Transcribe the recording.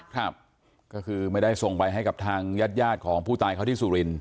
ครับก็คือไม่ได้ส่งไปให้กับทางญาติญาติของผู้ตายเขาที่สุรินท